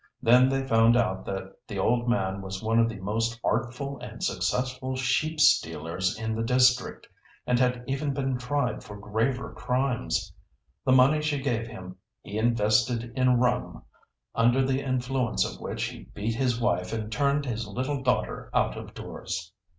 Then they found out that the old man was one of the most artful and successful sheep stealers in the district, and had even been tried for graver crimes. The money she gave him he invested in rum, under the influence of which he beat his wife and turned his little daughter out of doors."